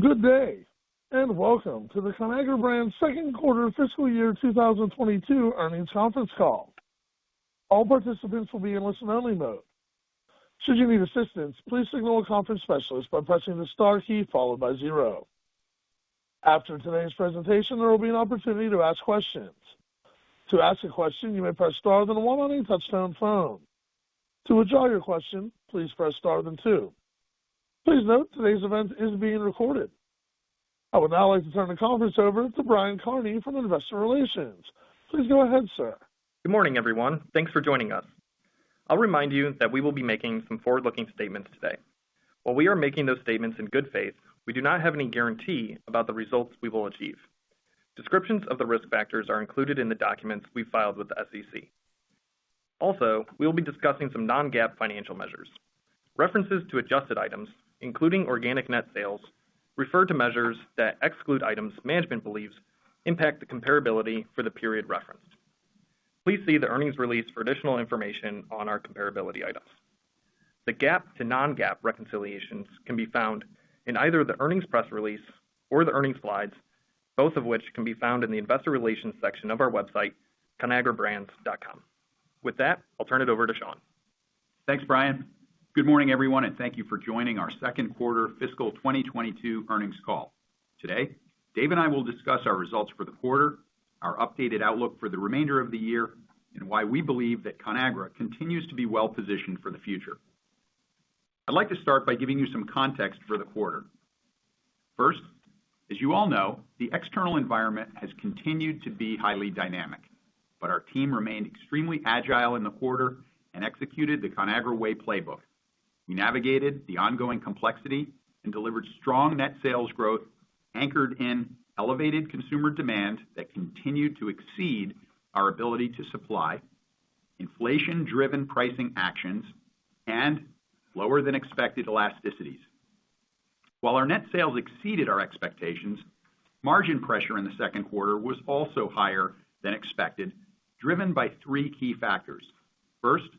Good day, and welcome to the Conagra Brands second quarter fiscal year 2022 earnings conference call. All participants will be in listen only mode. Should you need assistance, please signal a conference specialist by pressing the star key followed by zero. After today's presentation, there will be an opportunity to ask questions. To ask a question, you may press star then one on your touchtone phone. To withdraw your question, please press star then two. Please note today's event is being recorded. I would now like to turn the conference over to Brian Kearney from Investor Relations. Please go ahead, sir. Good morning, everyone. Thanks for joining us. I'll remind you that we will be making some forward-looking statements today. While we are making those statements in good faith, we do not have any guarantee about the results we will achieve. Descriptions of the risk factors are included in the documents we filed with the SEC. Also, we'll be discussing some non-GAAP financial measures. References to adjusted items, including organic net sales, refer to measures that exclude items management believes impact the comparability for the period referenced. Please see the earnings release for additional information on our comparability items. The GAAP to non-GAAP reconciliations can be found in either the earnings press release or the earnings slides, both of which can be found in the investor relations section of our website, conagrabrands.com. With that, I'll turn it over to Sean. Thanks, Brian. Good morning, everyone, and thank you for joining our second quarter fiscal 2022 earnings call. Today, Dave and I will discuss our results for the quarter, our updated outlook for the remainder of the year, and why we believe that Conagra continues to be well-positioned for the future. I'd like to start by giving you some context for the quarter. First, as you all know, the external environment has continued to be highly dynamic, but our team remained extremely agile in the quarter and executed the Conagra Way playbook. We navigated the ongoing complexity and delivered strong net sales growth anchored in elevated consumer demand that continued to exceed our ability to supply, inflation-driven pricing actions, and lower than expected elasticities. While our net sales exceeded our expectations, margin pressure in the second quarter was also higher than expected, driven by three key factors. First,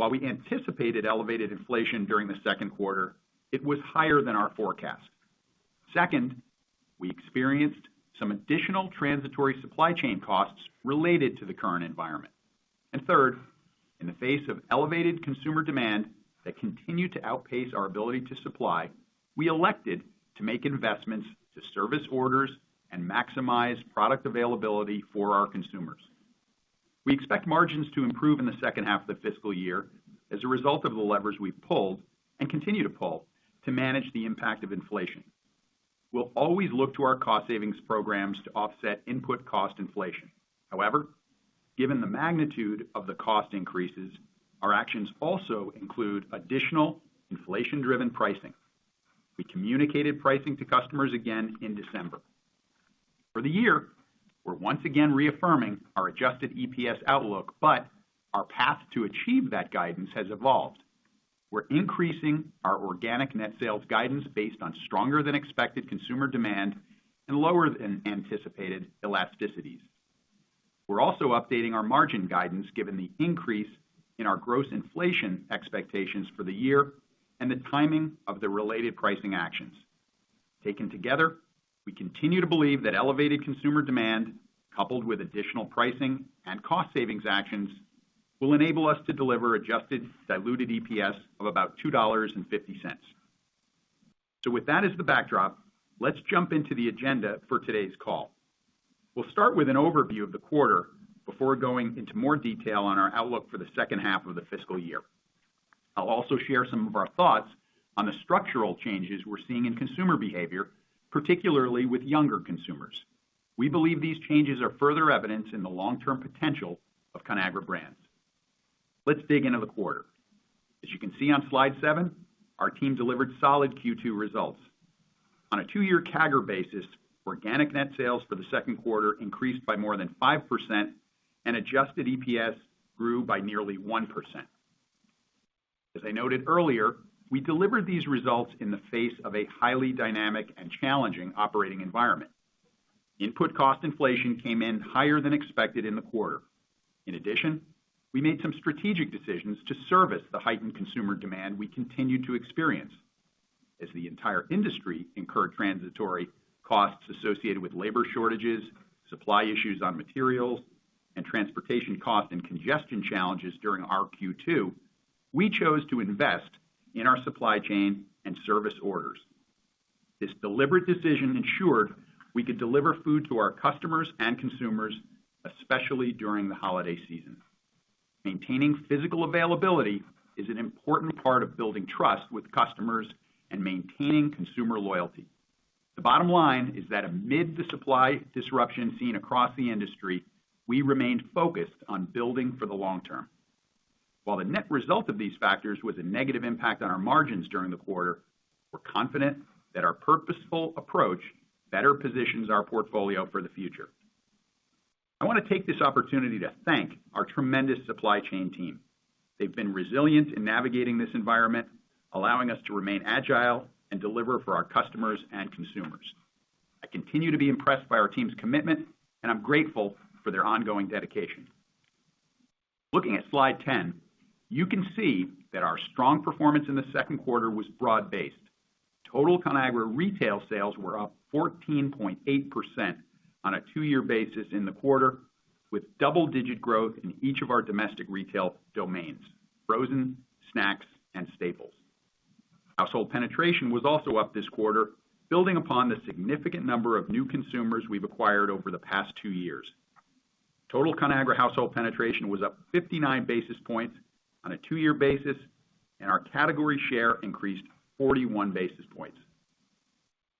while we anticipated elevated inflation during the second quarter, it was higher than our forecast. Second, we experienced some additional transitory supply chain costs related to the current environment. Third, in the face of elevated consumer demand that continued to outpace our ability to supply, we elected to make investments to service orders and maximize product availability for our consumers. We expect margins to improve in the second half of the fiscal year as a result of the levers we pulled and continue to pull to manage the impact of inflation. We'll always look to our cost savings programs to offset input cost inflation. However, given the magnitude of the cost increases, our actions also include additional inflation-driven pricing. We communicated pricing to customers again in December. For the year, we're once again reaffirming our adjusted EPS outlook, but our path to achieve that guidance has evolved. We're increasing our organic net sales guidance based on stronger than expected consumer demand and lower than anticipated elasticities. We're also updating our margin guidance given the increase in our gross inflation expectations for the year and the timing of the related pricing actions. Taken together, we continue to believe that elevated consumer demand, coupled with additional pricing and cost savings actions, will enable us to deliver adjusted diluted EPS of about $2.50. With that as the backdrop, let's jump into the agenda for today's call. We'll start with an overview of the quarter before going into more detail on our outlook for the second half of the fiscal year. I'll also share some of our thoughts on the structural changes we're seeing in consumer behavior, particularly with younger consumers. We believe these changes are further evidence in the long-term potential of Conagra Brands. Let's dig into the quarter. As you can see on slide 7, our team delivered solid Q2 results. On a two-year CAGR basis, organic net sales for the second quarter increased by more than 5% and adjusted EPS grew by nearly 1%. As I noted earlier, we delivered these results in the face of a highly dynamic and challenging operating environment. Input cost inflation came in higher than expected in the quarter. In addition, we made some strategic decisions to service the heightened consumer demand we continued to experience. As the entire industry incurred transitory costs associated with labor shortages, supply issues on materials, and transportation costs and congestion challenges during our Q2, we chose to invest in our supply chain and service orders. This deliberate decision ensured we could deliver food to our customers and consumers, especially during the holiday season. Maintaining physical availability is an important part of building trust with customers and maintaining consumer loyalty. The bottom line is that amid the supply disruption seen across the industry, we remained focused on building for the long term. While the net result of these factors was a negative impact on our margins during the quarter, we're confident that our purposeful approach better positions our portfolio for the future. I want to take this opportunity to thank our tremendous supply chain team. They've been resilient in navigating this environment, allowing us to remain agile and deliver for our customers and consumers. I continue to be impressed by our team's commitment, and I'm grateful for their ongoing dedication. Looking at slide 10, you can see that our strong performance in the second quarter was broad-based. Total Conagra retail sales were up 14.8% on a two-year basis in the quarter, with double-digit growth in each of our domestic retail domains, Frozen, Snacks and Staples. Household penetration was also up this quarter, building upon the significant number of new consumers we've acquired over the past two years. Total Conagra household penetration was up 59 basis points on a two-year basis, and our category share increased 41 basis points.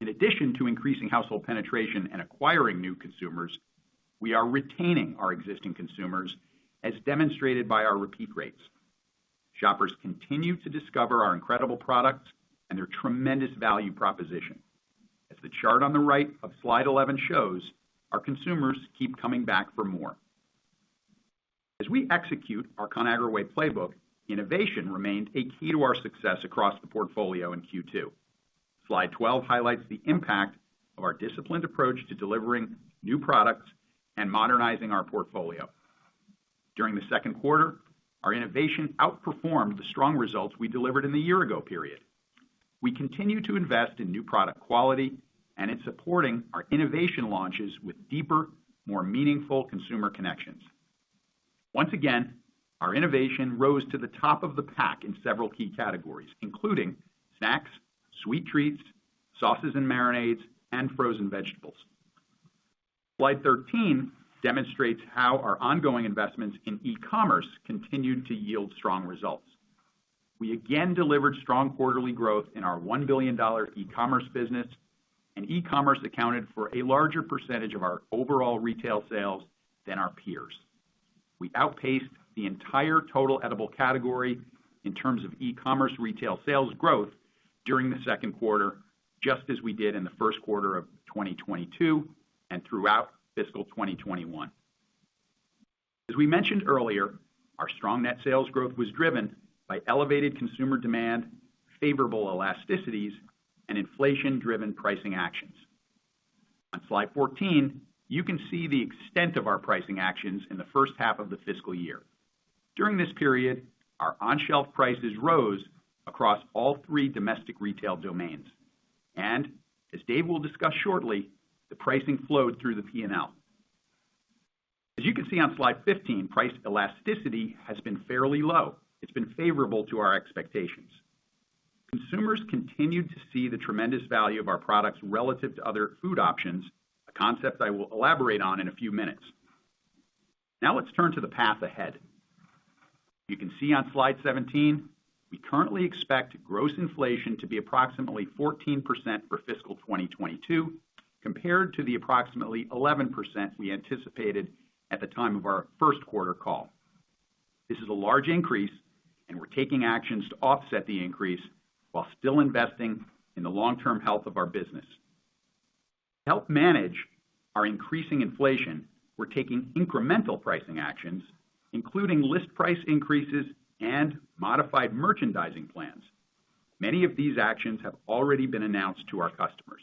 In addition to increasing household penetration and acquiring new consumers, we are retaining our existing consumers, as demonstrated by our repeat rates. Shoppers continue to discover our incredible products and their tremendous value proposition. As the chart on the right of slide 11 shows, our consumers keep coming back for more. As we execute our Conagra Way playbook, innovation remained a key to our success across the portfolio in Q2. Slide 12 highlights the impact of our disciplined approach to delivering new products and modernizing our portfolio. During the second quarter, our innovation outperformed the strong results we delivered in the year ago period. We continue to invest in new product quality and in supporting our innovation launches with deeper, more meaningful consumer connections. Once again, our innovation rose to the top of the pack in several key categories, including snacks, sweet treats, sauces and marinades, and frozen vegetables. Slide 13 demonstrates how our ongoing investments in e-commerce continued to yield strong results. We again delivered strong quarterly growth in our $1 billion e-commerce business, and e-commerce accounted for a larger percentage of our overall retail sales than our peers. We outpaced the entire Total Edible category in terms of e-commerce retail sales growth during the second quarter, just as we did in the first quarter of 2022 and throughout fiscal 2021. As we mentioned earlier, our strong net sales growth was driven by elevated consumer demand, favorable elasticities and inflation-driven pricing actions. On slide 14, you can see the extent of our pricing actions in the first half of the fiscal year. During this period, our on-shelf prices rose across all three domestic retail domains. As Dave will discuss shortly, the pricing flowed through the P&L. As you can see on slide 15, price elasticity has been fairly low. It's been favorable to our expectations. Consumers continued to see the tremendous value of our products relative to other food options, a concept I will elaborate on in a few minutes. Now let's turn to the path ahead. You can see on slide 17, we currently expect gross inflation to be approximately 14% for fiscal 2022, compared to the approximately 11% we anticipated at the time of our first quarter call. This is a large increase and we're taking actions to offset the increase while still investing in the long-term health of our business. To help manage our increasing inflation, we're taking incremental pricing actions, including list price increases and modified merchandising plans. Many of these actions have already been announced to our customers.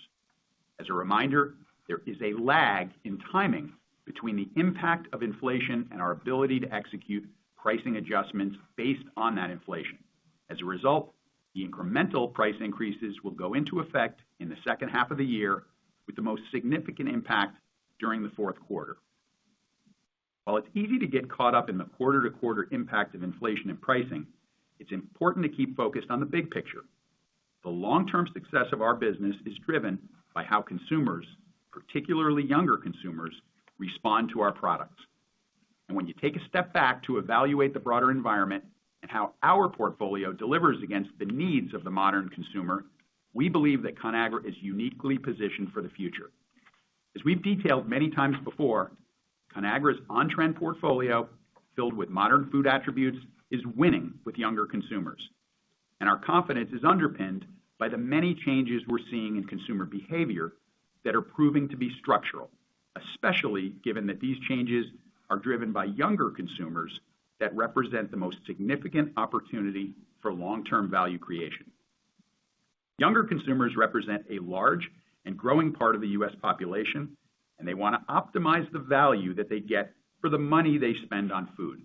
As a reminder, there is a lag in timing between the impact of inflation and our ability to execute pricing adjustments based on that inflation. As a result, the incremental price increases will go into effect in the second half of the year with the most significant impact during the fourth quarter. While it's easy to get caught up in the quarter-to-quarter impact of inflation and pricing, it's important to keep focused on the big picture. The long-term success of our business is driven by how consumers, particularly younger consumers, respond to our products. When you take a step back to evaluate the broader environment and how our portfolio delivers against the needs of the modern consumer, we believe that Conagra is uniquely positioned for the future. As we've detailed many times before, Conagra's on-trend portfolio, filled with modern food attributes, is winning with younger consumers, and our confidence is underpinned by the many changes we're seeing in consumer behavior that are proving to be structural, especially given that these changes are driven by younger consumers that represent the most significant opportunity for long-term value creation. Younger consumers represent a large and growing part of the U.S. population, and they want to optimize the value that they get for the money they spend on food.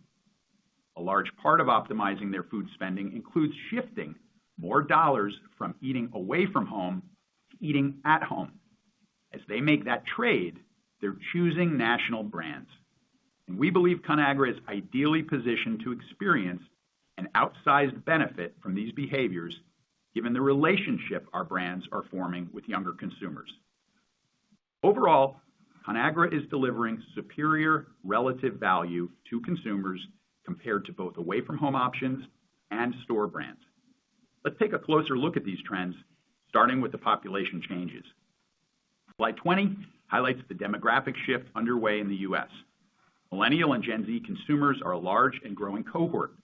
A large part of optimizing their food spending includes shifting more dollars from eating away from home to eating at home. As they make that trade, they're choosing national brands. We believe Conagra is ideally positioned to experience an outsized benefit from these behaviors given the relationship our brands are forming with younger consumers. Overall, Conagra is delivering superior relative value to consumers compared to both away-from-home options and store brands. Let's take a closer look at these trends, starting with the population changes. Slide 20 highlights the demographic shift underway in the U.S. Millennial and Gen Z consumers are a large and growing cohort.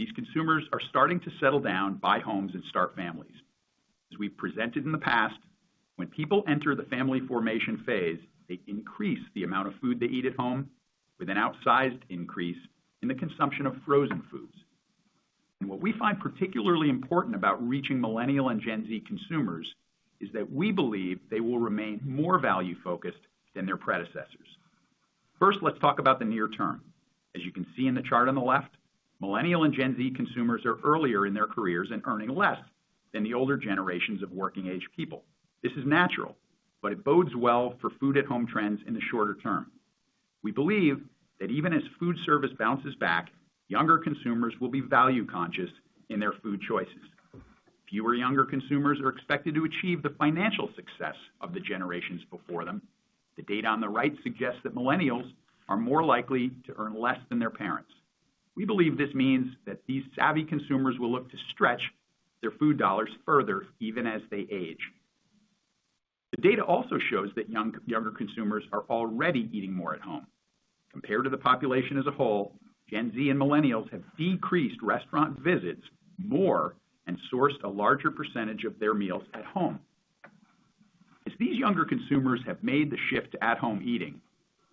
These consumers are starting to settle down, buy homes and start families. As we presented in the past, when people enter the family formation phase, they increase the amount of food they eat at home with an outsized increase in the consumption of frozen foods. What we find particularly important about reaching millennial and Gen Z consumers is that we believe they will remain more value-focused than their predecessors. First, let's talk about the near term. As you can see in the chart on the left, millennial and Gen Z consumers are earlier in their careers and earning less than the older generations of working age people. This is natural, but it bodes well for food at home trends in the shorter term. We believe that even as food service bounces back, younger consumers will be value conscious in their food choices. Fewer younger consumers are expected to achieve the financial success of the generations before them. The data on the right suggests that millennials are more likely to earn less than their parents. We believe this means that these savvy consumers will look to stretch their food dollars further even as they age. The data also shows that young, younger consumers are already eating more at home. Compared to the population as a whole, Gen Z and millennials have decreased restaurant visits more and sourced a larger percentage of their meals at home. As these younger consumers have made the shift to at home eating,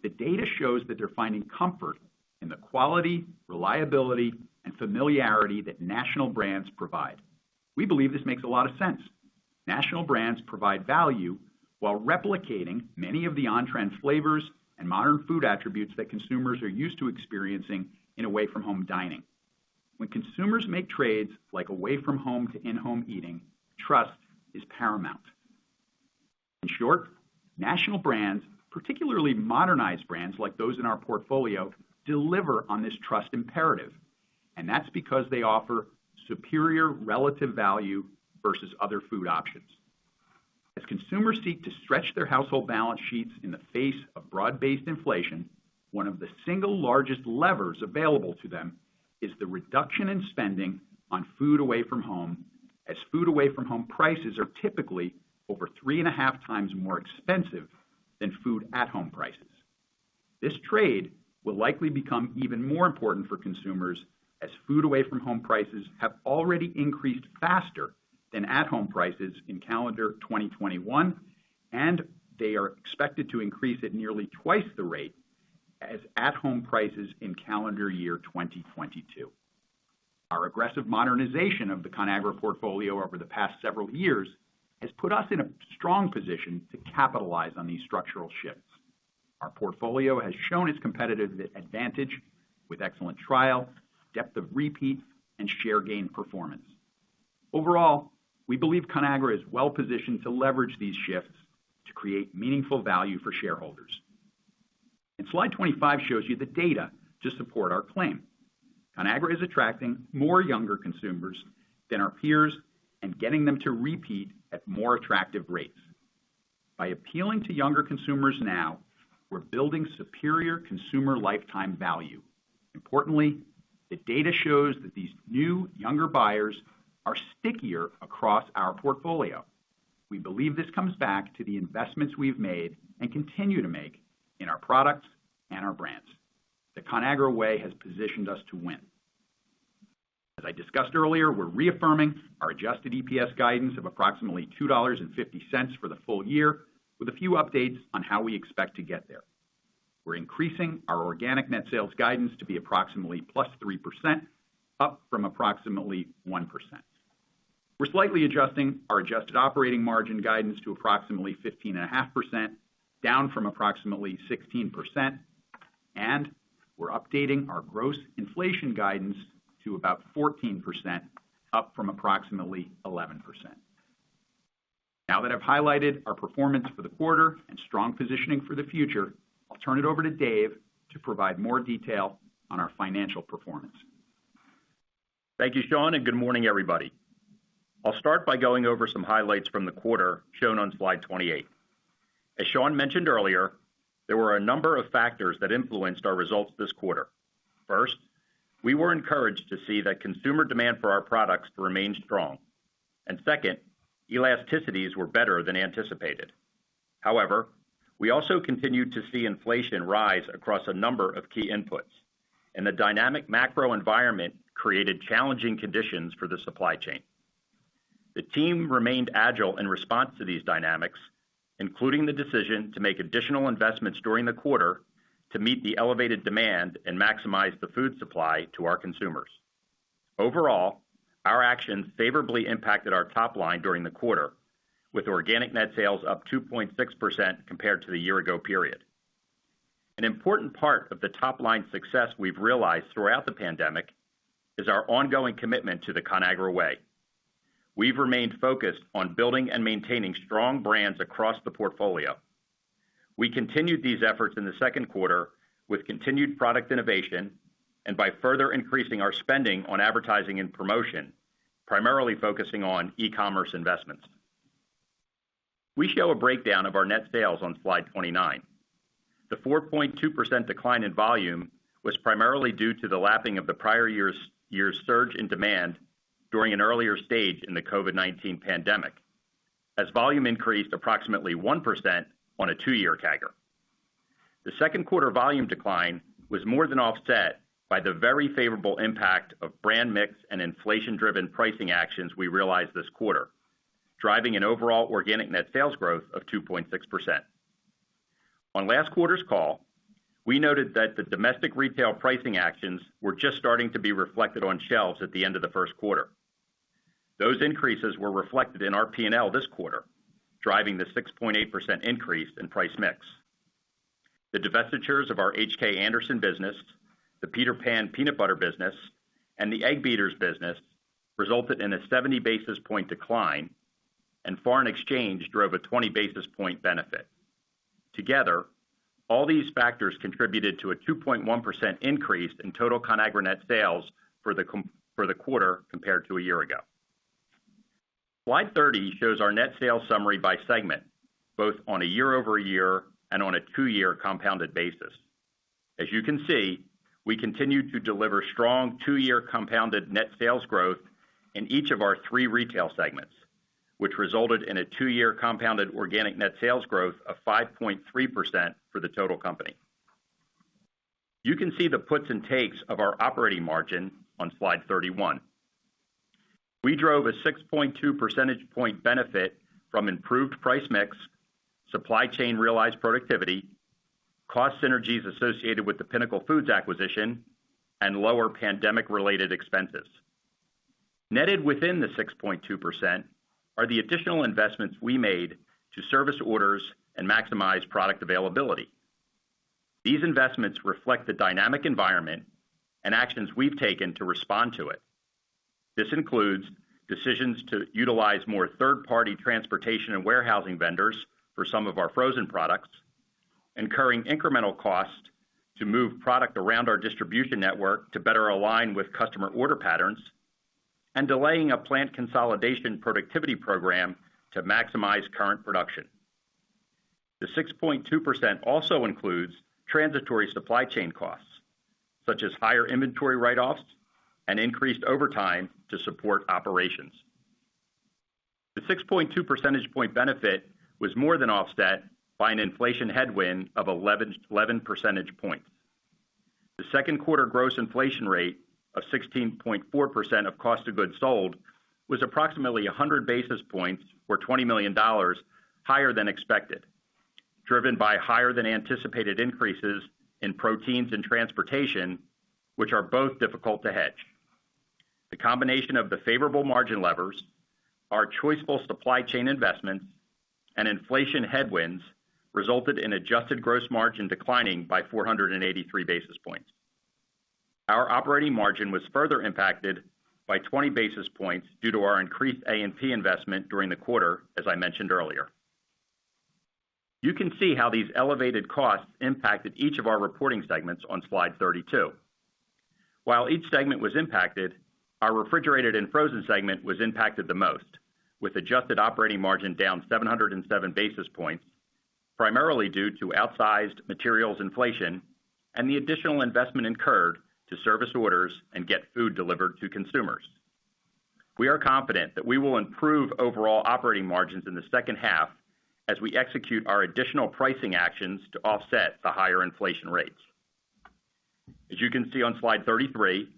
the data shows that they're finding comfort in the quality, reliability, and familiarity that national brands provide. We believe this makes a lot of sense. National brands provide value while replicating many of the on-trend flavors and modern food attributes that consumers are used to experiencing in away from home dining. When consumers make trades like away from home to in-home eating, trust is paramount. In short, national brands, particularly modernized brands like those in our portfolio, deliver on this trust imperative, and that's because they offer superior relative value versus other food options. As consumers seek to stretch their household balance sheets in the face of broad-based inflation, one of the single largest levers available to them is the reduction in spending on food away from home, as food away from home prices are typically over 3.5 times more expensive than food at home prices. This trade will likely become even more important for consumers as food away from home prices have already increased faster than at home prices in calendar 2021, and they are expected to increase at nearly twice the rate as at home prices in calendar year 2022. Our aggressive modernization of the Conagra portfolio over the past several years has put us in a strong position to capitalize on these structural shifts. Our portfolio has shown its competitive advantage with excellent trial, depth of repeat, and share gain performance. Overall, we believe Conagra is well positioned to leverage these shifts to create meaningful value for shareholders. Slide 25 shows you the data to support our claim. Conagra is attracting more younger consumers than our peers and getting them to repeat at more attractive rates. By appealing to younger consumers now, we're building superior consumer lifetime value. Importantly, the data shows that these new younger buyers are stickier across our portfolio. We believe this comes back to the investments we've made and continue to make in our products and our brands. The Conagra Way has positioned us to win. As I discussed earlier, we're reaffirming our adjusted EPS guidance of approximately $2.50 for the full year with a few updates on how we expect to get there. We're increasing our organic net sales guidance to be approximately +3%, up from approximately 1%. We're slightly adjusting our adjusted operating margin guidance to approximately 15.5%, down from approximately 16%, and we're updating our gross inflation guidance to about 14%, up from approximately 11%. Now that I've highlighted our performance for the quarter and strong positioning for the future, I'll turn it over to Dave to provide more detail on our financial performance. Thank you, Sean, and good morning, everybody. I'll start by going over some highlights from the quarter shown on slide 28. As Sean mentioned earlier, there were a number of factors that influenced our results this quarter. First, we were encouraged to see that consumer demand for our products remained strong. Second, elasticities were better than anticipated. However, we also continued to see inflation rise across a number of key inputs, and the dynamic macro environment created challenging conditions for the supply chain. The team remained agile in response to these dynamics, including the decision to make additional investments during the quarter to meet the elevated demand and maximize the food supply to our consumers. Overall, our actions favorably impacted our top line during the quarter, with organic net sales up 2.6% compared to the year ago period. An important part of the top line success we've realized throughout the pandemic is our ongoing commitment to the Conagra Way. We've remained focused on building and maintaining strong brands across the portfolio. We continued these efforts in the second quarter with continued product innovation and by further increasing our spending on advertising and promotion, primarily focusing on e-commerce investments. We show a breakdown of our net sales on slide 29. The 4.2% decline in volume was primarily due to the lapping of the prior year's surge in demand during an earlier stage in the COVID-19 pandemic, as volume increased approximately 1% on a two-year CAGR. The second quarter volume decline was more than offset by the very favorable impact of brand mix and inflation driven pricing actions we realized this quarter, driving an overall organic net sales growth of 2.6%. On last quarter's call, we noted that the domestic retail pricing actions were just starting to be reflected on shelves at the end of the first quarter. Those increases were reflected in our P&L this quarter, driving the 6.8% increase in price mix. The divestitures of our H.K. Anderson business, the Peter Pan peanut butter business, and the Egg Beaters business resulted in a 70 basis points decline, and foreign exchange drove a 20 basis points benefit. Together, all these factors contributed to a 2.1% increase in total Conagra net sales for the quarter compared to a year ago. Slide 30 shows our net sales summary by segment, both on a year-over-year and on a two-year compounded basis. As you can see, we continued to deliver strong two-year compounded net sales growth in each of our three retail segments, which resulted in a two-year compounded organic net sales growth of 5.3% for the total company. You can see the puts and takes of our operating margin on Slide 31. We drove a 6.2 percentage point benefit from improved price mix, supply chain realized productivity, cost synergies associated with the Pinnacle Foods acquisition, and lower pandemic-related expenses. Netted within the 6.2% are the additional investments we made to service orders and maximize product availability. These investments reflect the dynamic environment and actions we've taken to respond to it. This includes decisions to utilize more third-party transportation and warehousing vendors for some of our frozen products, incurring incremental costs to move product around our distribution network to better align with customer order patterns, and delaying a plant consolidation productivity program to maximize current production. The 6.2% also includes transitory supply chain costs, such as higher inventory write-offs and increased overtime to support operations. The 6.2 percentage point benefit was more than offset by an inflation headwind of 11.1 percentage points. The second quarter gross inflation rate of 16.4% of cost of goods sold was approximately 100 basis points or $20 million higher than expected, driven by higher than anticipated increases in proteins and transportation, which are both difficult to hedge. The combination of the favorable margin levers are choiceful supply chain investments, and inflation headwinds resulted in adjusted gross margin declining by 483 basis points. Our operating margin was further impacted by 20 basis points due to our increased A&P investment during the quarter, as I mentioned earlier. You can see how these elevated costs impacted each of our reporting segments on slide 32. While each segment was impacted, our Refrigerated and Frozen segment was impacted the most, with adjusted operating margin down 707 basis points, primarily due to outsized materials inflation and the additional investment incurred to service orders and get food delivered to consumers. We are confident that we will improve overall operating margins in the second half as we execute our additional pricing actions to offset the higher inflation rates. As you can see on slide 33,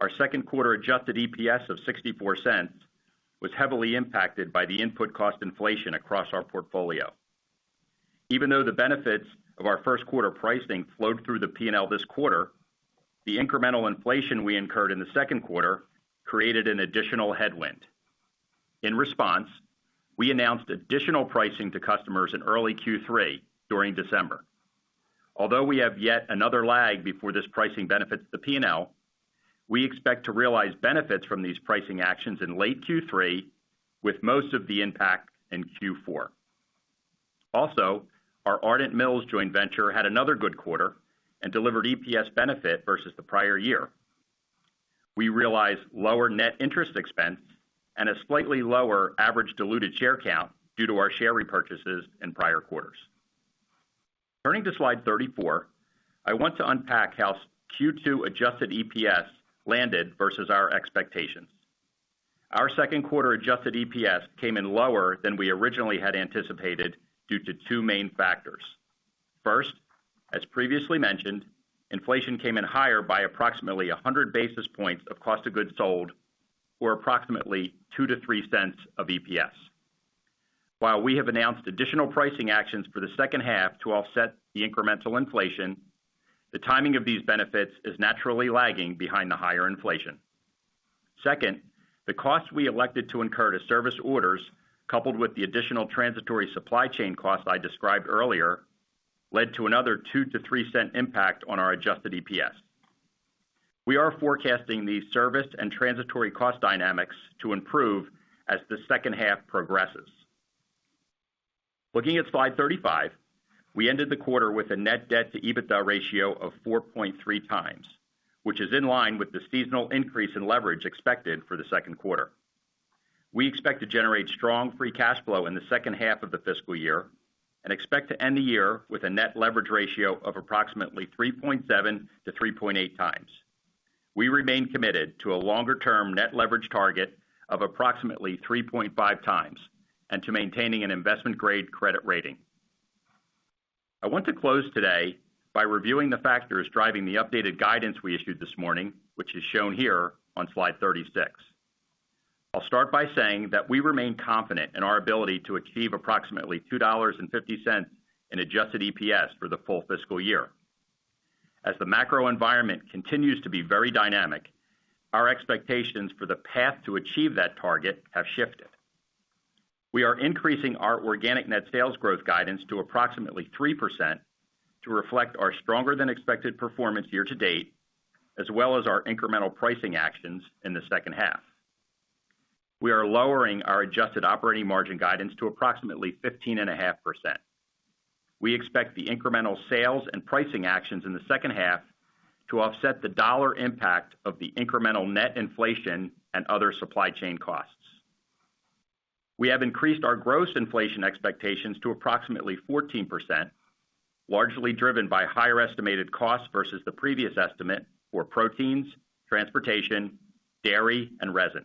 our second quarter adjusted EPS of $0.64 was heavily impacted by the input cost inflation across our portfolio. Even though the benefits of our first quarter pricing flowed through the P&L this quarter, the incremental inflation we incurred in the second quarter created an additional headwind. In response, we announced additional pricing to customers in early Q3 during December. Although we have yet another lag before this pricing benefits the P&L, we expect to realize benefits from these pricing actions in late Q3, with most of the impact in Q4. Also, our Ardent Mills joint venture had another good quarter and delivered EPS benefit versus the prior year. We realized lower net interest expense and a slightly lower average diluted share count due to our share repurchases in prior quarters. Turning to slide 34, I want to unpack how Q2 adjusted EPS landed versus our expectations. Our second quarter adjusted EPS came in lower than we originally had anticipated due to two main factors. First, as previously mentioned, inflation came in higher by approximately 100 basis points of cost of goods sold or approximately $0.02-$0.03 of EPS. While we have announced additional pricing actions for the second half to offset the incremental inflation, the timing of these benefits is naturally lagging behind the higher inflation. Second, the cost we elected to incur to service orders, coupled with the additional transitory supply chain costs I described earlier, led to another $0.02-$0.03 impact on our adjusted EPS. We are forecasting these service and transitory cost dynamics to improve as the second half progresses. Looking at slide 35, we ended the quarter with a net debt to EBITDA ratio of 4.3x, which is in line with the seasonal increase in leverage expected for the second quarter. We expect to generate strong free cash flow in the second half of the fiscal year and expect to end the year with a net leverage ratio of approximately 3.7x-3.8x. We remain committed to a longer-term net leverage target of approximately 3.5x and to maintaining an investment-grade credit rating. I want to close today by reviewing the factors driving the updated guidance we issued this morning, which is shown here on slide 36. I'll start by saying that we remain confident in our ability to achieve approximately $2.50 in adjusted EPS for the full fiscal year. As the macro environment continues to be very dynamic, our expectations for the path to achieve that target have shifted. We are increasing our organic net sales growth guidance to approximately 3% to reflect our stronger than expected performance year to date, as well as our incremental pricing actions in the second half. We are lowering our adjusted operating margin guidance to approximately 15.5%. We expect the incremental sales and pricing actions in the second half to offset the dollar impact of the incremental net inflation and other supply chain costs. We have increased our gross inflation expectations to approximately 14%, largely driven by higher estimated costs versus the previous estimate for proteins, transportation, dairy, and resin.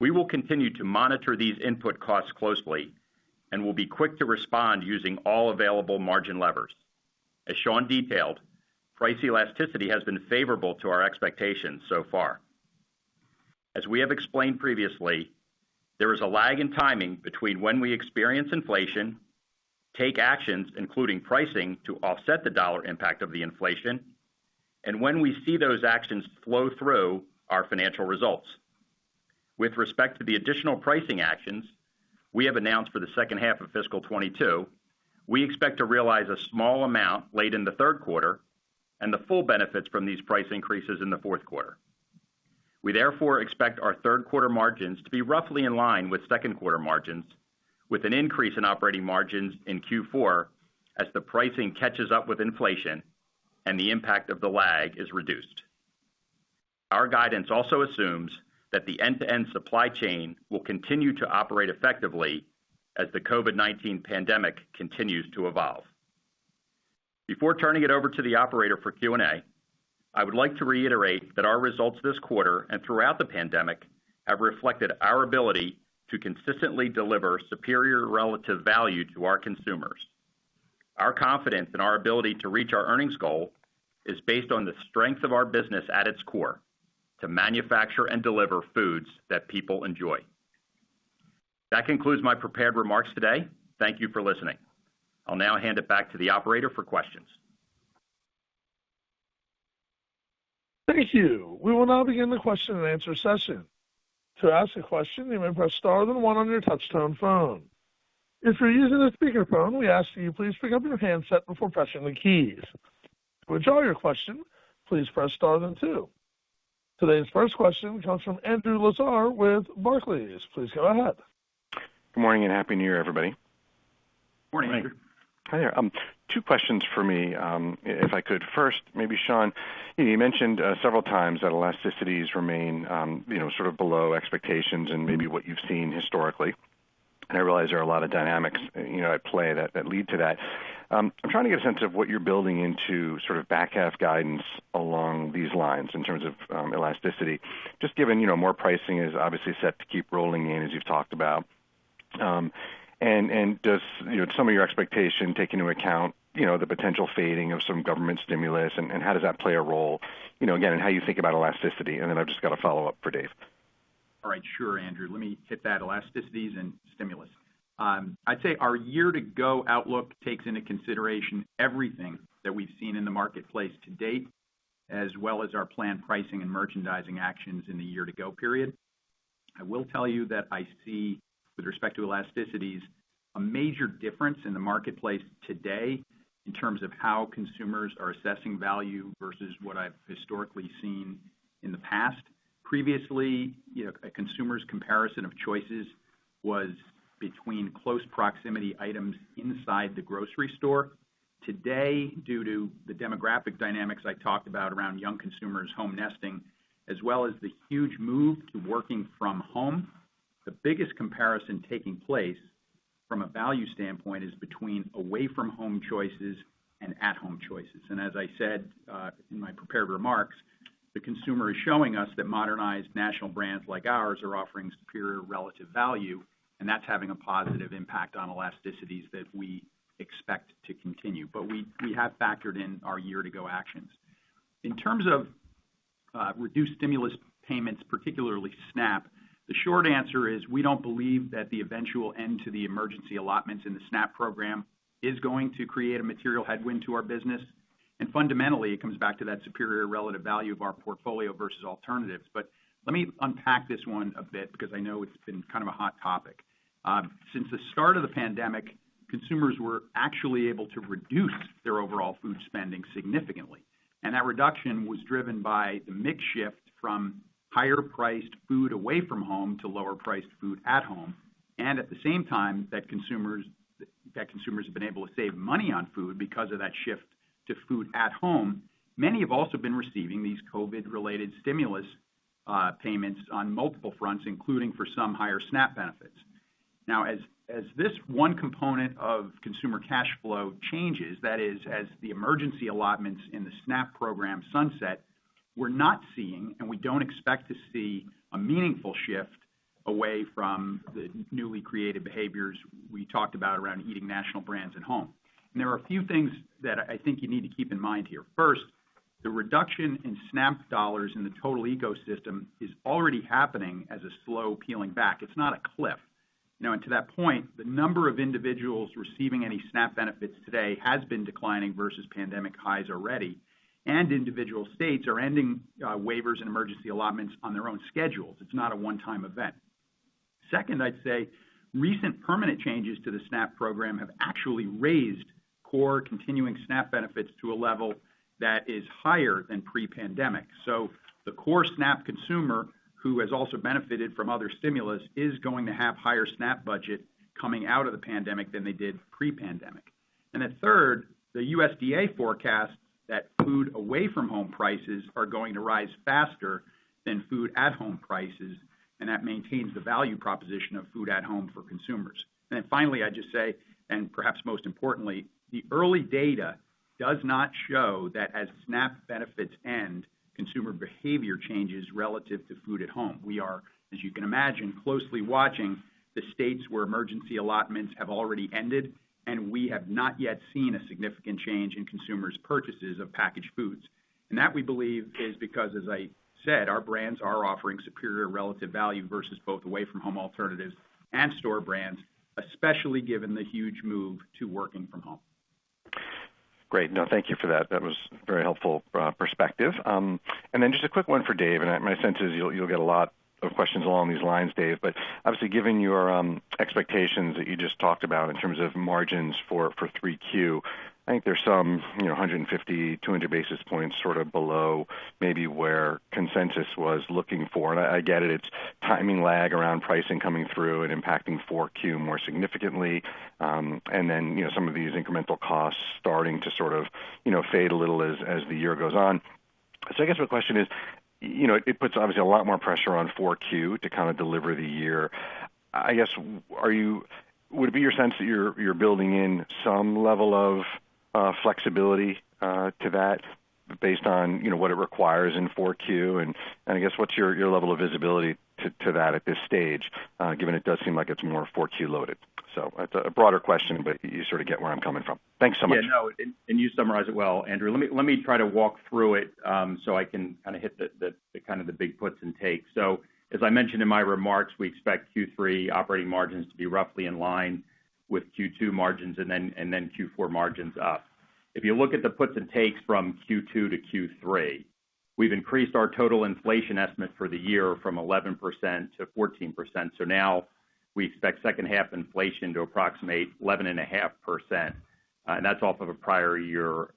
We will continue to monitor these input costs closely and will be quick to respond using all available margin levers. As Sean detailed, price elasticity has been favorable to our expectations so far. As we have explained previously, there is a lag in timing between when we experience inflation, take actions, including pricing to offset the dollar impact of the inflation, and when we see those actions flow through our financial results. With respect to the additional pricing actions we have announced for the second half of fiscal 2022, we expect to realize a small amount late in the third quarter and the full benefits from these price increases in the fourth quarter. We therefore expect our third quarter margins to be roughly in line with second quarter margins, with an increase in operating margins in Q4 as the pricing catches up with inflation and the impact of the lag is reduced. Our guidance also assumes that the end-to-end supply chain will continue to operate effectively as the COVID-19 pandemic continues to evolve. Before turning it over to the operator for Q&A, I would like to reiterate that our results this quarter and throughout the pandemic have reflected our ability to consistently deliver superior relative value to our consumers. Our confidence in our ability to reach our earnings goal is based on the strength of our business at its core, to manufacture and deliver foods that people enjoy. That concludes my prepared remarks today. Thank you for listening. I'll now hand it back to the operator for questions. Thank you. We will now begin the question and answer session. To ask a question, you may press star then one on your touchtone phone. If you're using a speaker phone, we ask that you please pick up your handset before pressing the keys. To withdraw your question, please press star then two. Today's first question comes from Andrew Lazar with Barclays. Please go ahead. Good morning and happy New Year, everybody. Morning, Andrew. Hi there. Two questions for me, if I could. First, maybe Sean, you mentioned several times that elasticities remain, you know, sort of below expectations and maybe what you've seen historically. I realize there are a lot of dynamics, you know, at play that lead to that. I'm trying to get a sense of what you're building into sort of back half guidance along these lines in terms of elasticity, just given, you know, more pricing is obviously set to keep rolling in, as you've talked about. Does some of your expectation take into account, you know, the potential fading of some government stimulus, and how does that play a role, you know, again, in how you think about elasticity? Then I've just got a follow-up for Dave. All right. Sure, Andrew. Let me hit that elasticities and stimulus. I'd say our year to go outlook takes into consideration everything that we've seen in the marketplace to date, as well as our planned pricing and merchandising actions in the year to go period. I will tell you that I see, with respect to elasticities, a major difference in the marketplace today in terms of how consumers are assessing value versus what I've historically seen in the past. Previously, you know, a consumer's comparison of choices was between close proximity items inside the grocery store. Today, due to the demographic dynamics I talked about around young consumers' home nesting, as well as the huge move to working from home, the biggest comparison taking place from a value standpoint is between away from home choices and at home choices. As I said, in my prepared remarks, the consumer is showing us that modernized national brands like ours are offering superior relative value, and that's having a positive impact on elasticities that we expect to continue. We have factored in our year to go actions. In terms of, reduced stimulus payments, particularly SNAP, the short answer is we don't believe that the eventual end to the emergency allotments in the SNAP program is going to create a material headwind to our business. Fundamentally, it comes back to that superior relative value of our portfolio versus alternatives. Let me unpack this one a bit because I know it's been kind of a hot topic. Since the start of the pandemic, consumers were actually able to reduce their overall food spending significantly, and that reduction was driven by the mix shift from higher priced food away from home to lower priced food at home. At the same time that consumers have been able to save money on food because of that shift to food at home, many have also been receiving these COVID-related stimulus payments on multiple fronts, including for some higher SNAP benefits. Now, as this one component of consumer cash flow changes, that is, as the emergency allotments in the SNAP program sunset, we're not seeing, and we don't expect to see a meaningful shift away from the newly created behaviors we talked about around eating national brands at home. There are a few things that I think you need to keep in mind here. First, the reduction in SNAP dollars in the total ecosystem is already happening as a slow peeling back. It's not a cliff. To that point, the number of individuals receiving any SNAP benefits today has been declining versus pandemic highs already, and individual states are ending waivers and emergency allotments on their own schedules. It's not a one-time event. Second, I'd say recent permanent changes to the SNAP program have actually raised core continuing SNAP benefits to a level that is higher than pre-pandemic. The core SNAP consumer, who has also benefited from other stimulus, is going to have higher SNAP budget coming out of the pandemic than they did pre-pandemic. Third, the USDA forecasts that food away from home prices are going to rise faster than food at home prices, and that maintains the value proposition of food at home for consumers. Finally, I just say, and perhaps most importantly, the early data does not show that as SNAP benefits end, consumer behavior changes relative to food at home. We are, as you can imagine, closely watching the states where emergency allotments have already ended, and we have not yet seen a significant change in consumers' purchases of packaged foods. That, we believe, is because, as I said, our brands are offering superior relative value versus both away-from-home alternatives and store brands, especially given the huge move to working from home. Great. No, thank you for that. That was very helpful perspective. Just a quick one for Dave, and my sense is you'll get a lot of questions along these lines, Dave. Obviously, given your expectations that you just talked about in terms of margins for Q3, I think there's some, you know, 150-200 basis points sort of below maybe where consensus was looking for. I get it's timing lag around pricing coming through and impacting Q4 more significantly. Then, you know, some of these incremental costs starting to sort of, you know, fade a little as the year goes on. I guess my question is, you know, it puts obviously a lot more pressure on Q4 to kind of deliver the year. I guess, would it be your sense that you're building in some level of flexibility to that based on, you know, what it requires in 4Q? I guess, what's your level of visibility to that at this stage, given it does seem like it's more 4Q loaded? That's a broader question, but you sort of get where I'm coming from. Thanks so much. Yeah, no. You summarized it well, Andrew. Let me try to walk through it, so I can kind of hit the big puts and takes. As I mentioned in my remarks, we expect Q3 operating margins to be roughly in line with Q2 margins and then Q4 margins up. If you look at the puts and takes from Q2 to Q3, we've increased our total inflation estimate for the year from 11% to 14%. Now we expect second half inflation to approximate 11.5%, and that's off of a prior year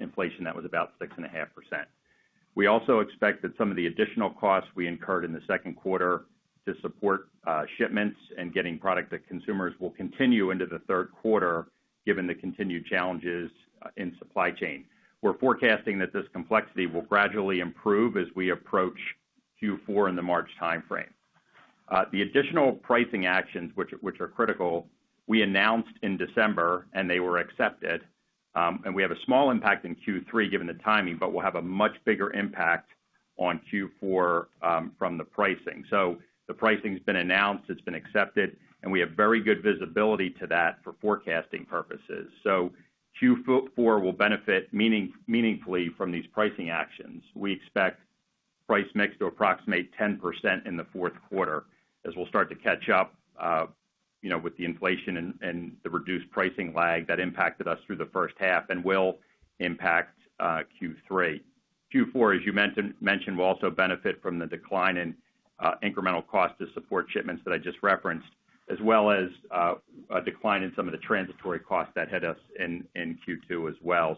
inflation that was about 6.5%. We also expect that some of the additional costs we incurred in the second quarter to support shipments and getting product to consumers will continue into the third quarter, given the continued challenges in supply chain. We're forecasting that this complexity will gradually improve as we approach Q4 in the March timeframe. The additional pricing actions, which are critical, we announced in December, and they were accepted. We have a small impact in Q3 given the timing, but we'll have a much bigger impact on Q4 from the pricing. The pricing's been announced, it's been accepted, and we have very good visibility to that for forecasting purposes. Q4 will benefit meaningfully from these pricing actions. We expect price mix to approximate 10% in the fourth quarter as we'll start to catch up, you know, with the inflation and the reduced pricing lag that impacted us through the first half and will impact Q3. Q4, as you mentioned, will also benefit from the decline in incremental cost to support shipments that I just referenced, as well as a decline in some of the transitory costs that hit us in Q2 as well.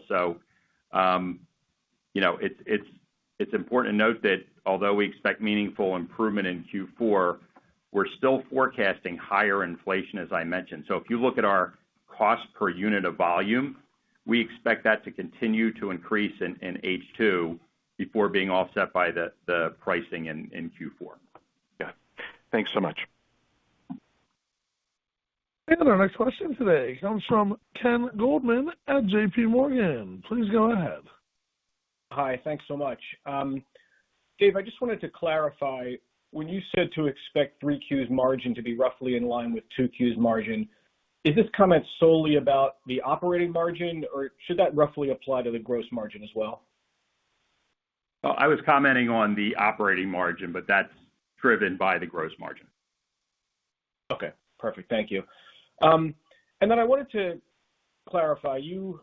You know, it's important to note that although we expect meaningful improvement in Q4, we're still forecasting higher inflation, as I mentioned. If you look at our cost per unit of volume, we expect that to continue to increase in H2 before being offset by the pricing in Q4. Yeah. Thanks so much. Our next question today comes from Ken Goldman at JPMorgan. Please go ahead. Hi. Thanks so much. Dave, I just wanted to clarify, when you said to expect 3Q's margin to be roughly in line with 2Q's margin, is this comment solely about the operating margin, or should that roughly apply to the gross margin as well? Well, I was commenting on the operating margin, but that's driven by the gross margin. Okay. Perfect. Thank you. I wanted to clarify, you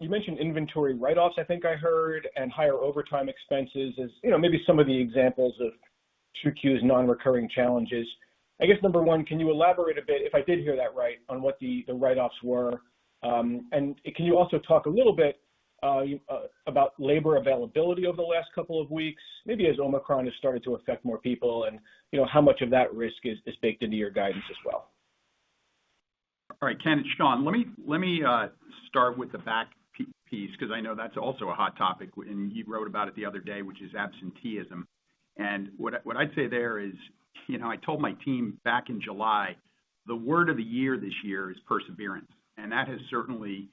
mentioned inventory write-offs, I think I heard, and higher overtime expenses as, you know, maybe some of the examples of 2Q's non-recurring challenges. I guess, number one, can you elaborate a bit, if I did hear that right, on what the write-offs were? And can you also talk a little bit about labor availability over the last couple of weeks, maybe as Omicron has started to affect more people and, you know, how much of that risk is baked into your guidance as well? All right. Ken, it's Sean. Let me start with the back piece because I know that's also a hot topic and you wrote about it the other day, which is absenteeism. What I'd say there is, you know, I told my team back in July, the word of the year this year is perseverance, and that has certainly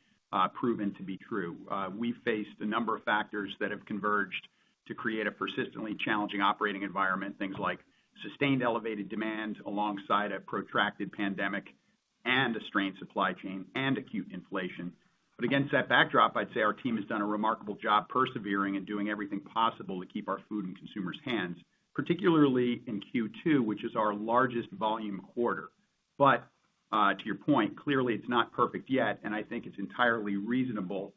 proven to be true. We faced a number of factors that have converged to create a persistently challenging operating environment, things like sustained elevated demand alongside a protracted pandemic. A strained supply chain and acute inflation. Against that backdrop, I'd say our team has done a remarkable job persevering and doing everything possible to keep our food in consumers' hands, particularly in Q2, which is our largest volume quarter. To your point, clearly it's not perfect yet, and I think it's entirely reasonable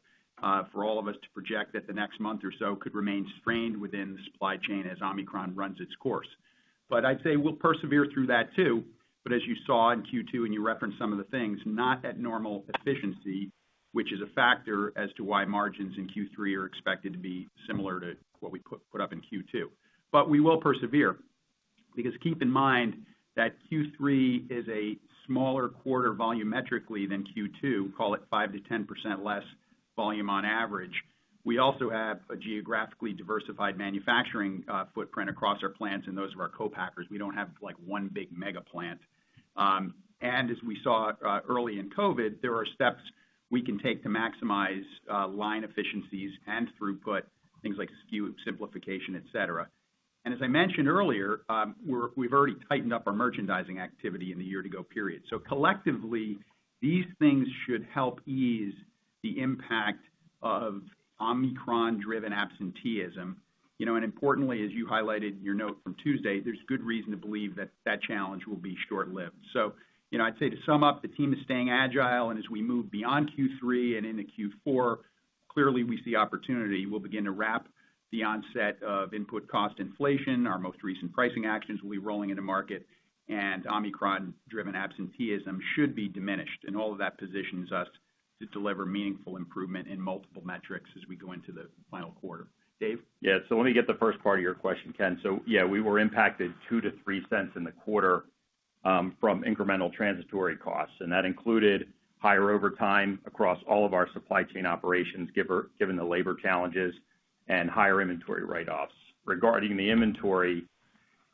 for all of us to project that the next month or so could remain strained within the supply chain as Omicron runs its course. I'd say we'll persevere through that too. As you saw in Q2, and you referenced some of the things, not at normal efficiency, which is a factor as to why margins in Q3 are expected to be similar to what we put up in Q2. We will persevere, because keep in mind that Q3 is a smaller quarter volumetrically than Q2, call it 5%-10% less volume on average. We also have a geographically diversified manufacturing footprint across our plants and those of our co-packers. We don't have, like, one big mega plant. As we saw early in COVID, there are steps we can take to maximize line efficiencies and throughput, things like SKU simplification, et cetera. As I mentioned earlier, we've already tightened up our merchandising activity in the year to go period. Collectively, these things should help ease the impact of Omicron-driven absenteeism. You know, and importantly, as you highlighted in your note from Tuesday, there's good reason to believe that challenge will be short-lived. You know, I'd say to sum up, the team is staying agile, and as we move beyond Q3 and into Q4, clearly we see opportunity. We'll begin to wrap the onset of input cost inflation. Our most recent pricing actions will be rolling in the market, and Omicron-driven absenteeism should be diminished. All of that positions us to deliver meaningful improvement in multiple metrics as we go into the final quarter. Dave? Yeah. Let me get the first part of your question, Ken. Yeah, we were impacted $0.02-$0.03 in the quarter from incremental transitory costs, and that included higher overtime across all of our supply chain operations given the labor challenges and higher inventory write-offs. Regarding the inventory,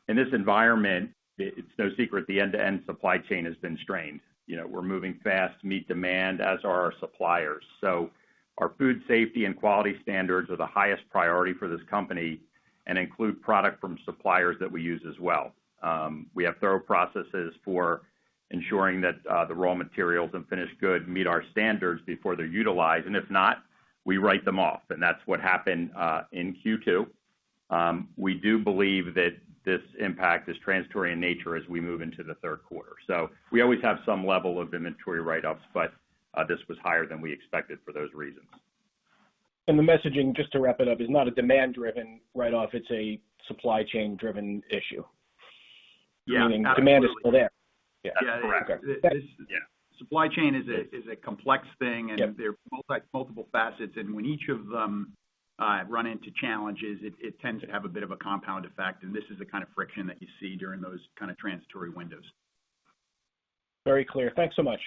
in this environment, it's no secret the end-to-end supply chain has been strained. You know, we're moving fast to meet demand, as are our suppliers. Our food safety and quality standards are the highest priority for this company and include product from suppliers that we use as well. We have thorough processes for ensuring that the raw materials and finished goods meet our standards before they're utilized. If not, we write them off. That's what happened in Q2. We do believe that this impact is transitory in nature as we move into the third quarter. We always have some level of inventory write-offs, but this was higher than we expected for those reasons. The messaging, just to wrap it up, is not a demand driven write-off, it's a supply chain driven issue? Yeah. Meaning the demand is still there. Yeah. Correct. Yeah. Supply chain is a complex thing. Yeah. There are multiple facets, and when each of them run into challenges, it tends to have a bit of a compound effect, and this is the kind of friction that you see during those kind of transitory windows. Very clear. Thanks so much.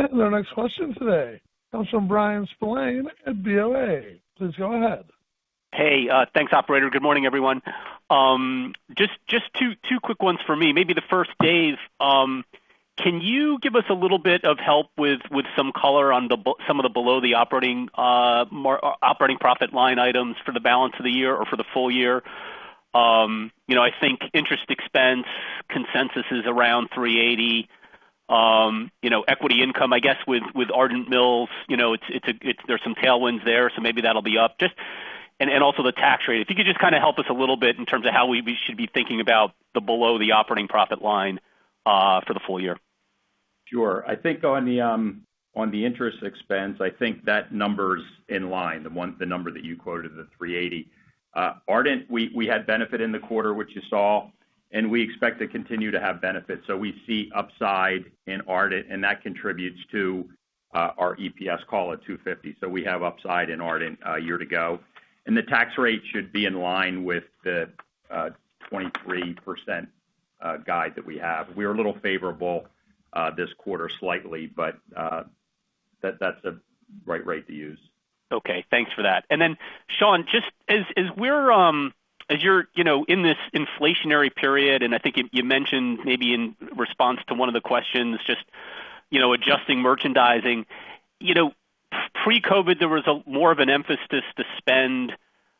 Our next question today comes from Bryan Spillane at BofA. Please go ahead. Thanks operator. Good morning, everyone. Just two quick ones for me. Maybe the first, Dave, can you give us a little bit of help with some color on some of the below the operating profit line items for the balance of the year or for the full year? You know, I think interest expense consensus is around $380. You know, equity income, I guess with Ardent Mills, you know, there's some tailwinds there, so maybe that'll be up. Also the tax rate. If you could just kind of help us a little bit in terms of how we should be thinking about the below the operating profit line for the full year. Sure. I think on the interest expense, I think that number's in line, the number that you quoted, the 380. Ardent, we had benefit in the quarter, which you saw, and we expect to continue to have benefits. We see upside in Ardent, and that contributes to our EPS call at 250. We have upside in Ardent year to go. The tax rate should be in line with the 23% guide that we have. We're a little favorable this quarter slightly, but that's the right rate to use. Okay. Thanks for that. Sean, just as we're as you're you know in this inflationary period, and I think you mentioned maybe in response to one of the questions, just you know adjusting merchandising. You know, pre-COVID, there was more of an emphasis to spend,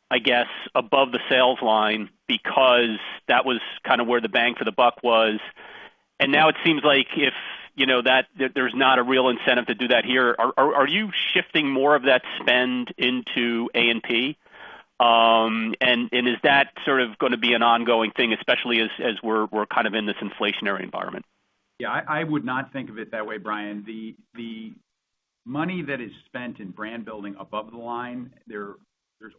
I guess, above the sales line because that was kind of where the bang for the buck was. Now it seems like if you know that there's not a real incentive to do that here. Are you shifting more of that spend into A&P? And is that sort of gonna be an ongoing thing, especially as we're kind of in this inflationary environment? Yeah. I would not think of it that way, Brian. The money that is spent in brand building above the line, there's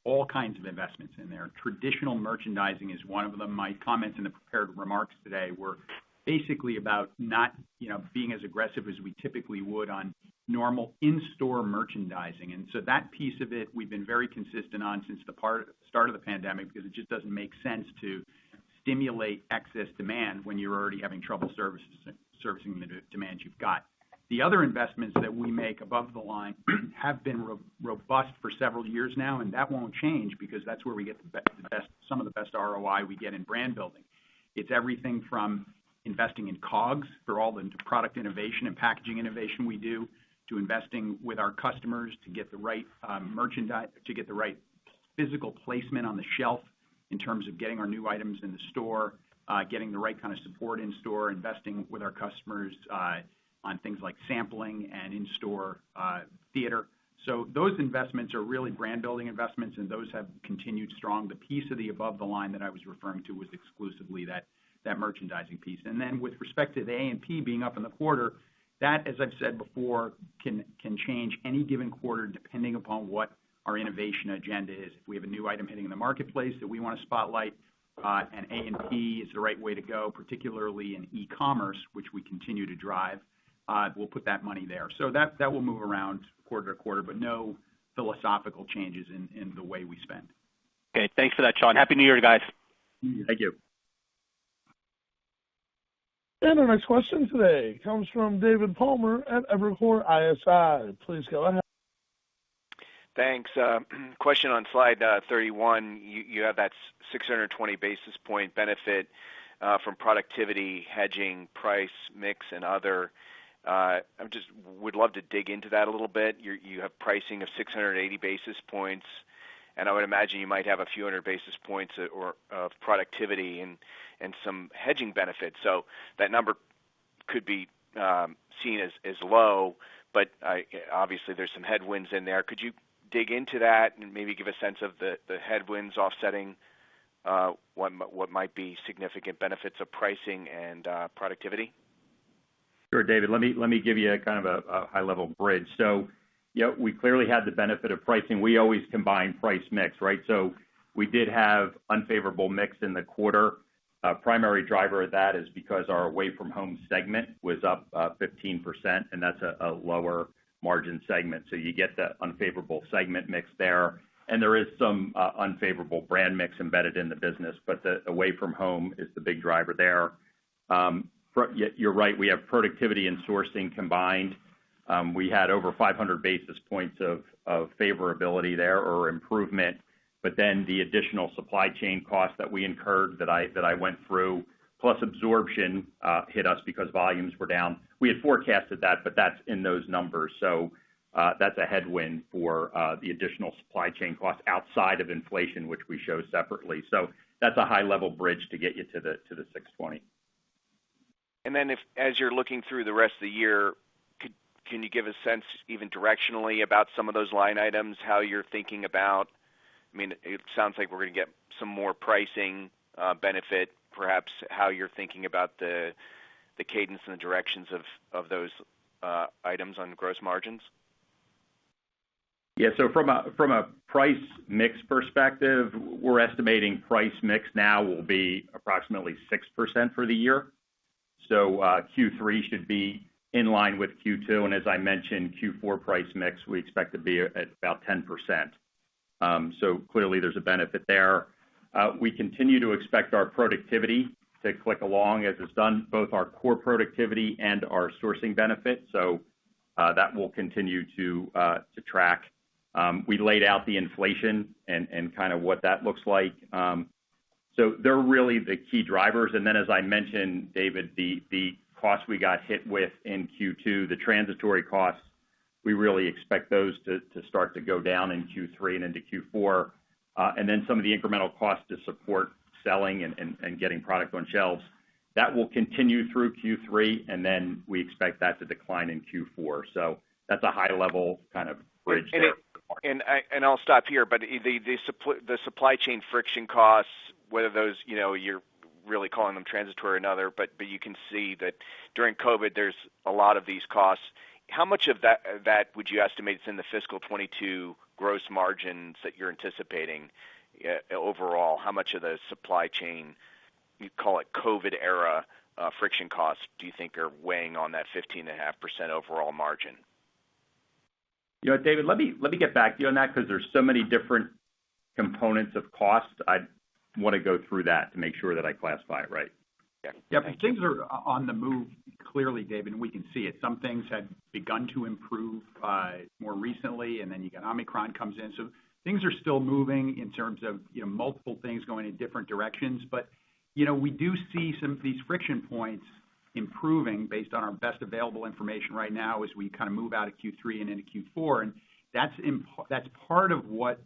all kinds of investments in there. Traditional merchandising is one of them. My comments in the prepared remarks today were basically about not you know being as aggressive as we typically would on normal in-store merchandising. That piece of it, we've been very consistent on since the start of the pandemic, because it just doesn't make sense to stimulate excess demand when you're already having trouble servicing the demand you've got. The other investments that we make above the line have been robust for several years now, and that won't change because that's where we get some of the best ROI we get in brand building. It's everything from investing in COGS for all the product innovation and packaging innovation we do, to investing with our customers to get the right physical placement on the shelf in terms of getting our new items in the store, getting the right kind of support in store, investing with our customers on things like sampling and in-store theater. Those investments are really brand-building investments, and those have continued strong. The piece of the above the line that I was referring to was exclusively that merchandising piece. With respect to the A&P being up in the quarter, that, as I've said before, can change any given quarter depending upon what our innovation agenda is. If we have a new item hitting in the marketplace that we wanna spotlight, and A&P is the right way to go, particularly in e-commerce, which we continue to drive, we'll put that money there. That will move around quarter to quarter, but no philosophical changes in the way we spend. Okay, thanks for that, Sean. Happy New Year, guys. Thank you. Our next question today comes from David Palmer at Evercore ISI. Please go ahead. Thanks. Question on slide 31. You have that 620 basis point benefit from productivity, hedging, price, mix, and other. I just would love to dig into that a little bit. You have pricing of 680 basis points, and I would imagine you might have a few hundred basis points of productivity and some hedging benefits. So that number could be seen as low, but obviously there's some headwinds in there. Could you dig into that and maybe give a sense of the headwinds offsetting what might be significant benefits of pricing and productivity? Sure, David, let me give you a kind of high-level bridge. Yeah, we clearly had the benefit of pricing. We always combine price mix, right? We did have unfavorable mix in the quarter. Primary driver of that is because our away from home segment was up 15%, and that's a lower margin segment. You get the unfavorable segment mix there. There is some unfavorable brand mix embedded in the business, but the away from home is the big driver there. Yeah, you're right, we have productivity and sourcing combined. We had over 500 basis points of favorability there or improvement, but then the additional supply chain costs that we incurred that I went through, plus absorption, hit us because volumes were down. We had forecasted that, but that's in those numbers. That's a headwind for the additional supply chain costs outside of inflation, which we show separately. That's a high level bridge to get you to the $620. As you're looking through the rest of the year, can you give a sense even directionally about some of those line items, how you're thinking about? I mean, it sounds like we're gonna get some more pricing benefit, perhaps how you're thinking about the cadence and the directions of those items on gross margins? Yeah. From a price mix perspective, we're estimating price mix now will be approximately 6% for the year. Q3 should be in line with Q2, and as I mentioned, Q4 price mix, we expect to be at about 10%. Clearly there's a benefit there. We continue to expect our productivity to click along as it's done, both our core productivity and our sourcing benefits. That will continue to track. We laid out the inflation and kind of what that looks like. They're really the key drivers. Then as I mentioned, David, the cost we got hit with in Q2, the transitory costs, we really expect those to start to go down in Q3 and into Q4. some of the incremental costs to support selling and getting product on shelves, that will continue through Q3, and then we expect that to decline in Q4. That's a high level kind of bridge there. I'll stop here, but the supply chain friction costs, whether those, you know, you're really calling them transitory or another, but you can see that during COVID, there's a lot of these costs. How much of that would you estimate is in the fiscal 2022 gross margins that you're anticipating? Overall, how much of the supply chain you'd call it COVID era friction costs do you think are weighing on that 15.5% overall margin? You know what, David, let me get back to you on that because there's so many different components of cost. I'd wanna go through that to make sure that I classify it right. Yeah. Yeah, things are on the move clearly, David, and we can see it. Some things had begun to improve more recently, and then you got Omicron comes in. Things are still moving in terms of, you know, multiple things going in different directions. You know, we do see some of these friction points improving based on our best available information right now as we kind of move out of Q3 and into Q4. That's part of what